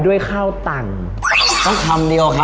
อร่อยเชียบแน่นอนครับอร่อยเชียบแน่นอนครับ